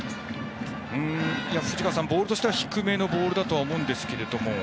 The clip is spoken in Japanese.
藤川さん、ボールとしては低めのボールだと思うんですが。